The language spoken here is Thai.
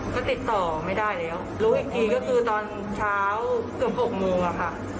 ก็ติดต่อไม่ได้แล้วรู้อีกทีก็คือตอนเช้าเกือบ๖โมงอะค่ะ